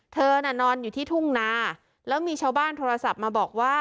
เธอน่ะนอนอยู่ที่ทุ่งนาแล้วมีชาวบ้านโทรศัพท์มาบอกว่า